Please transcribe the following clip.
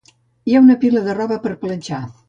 Hi ha una pila de roba per planxar